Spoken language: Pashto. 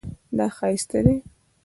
دا ښایسته دی